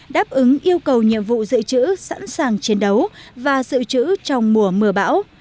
đáp ứng yêu cầu nhiệm vụ dự trữ sẵn sàng chiến đấu và dự trữ trong mùa mưa bão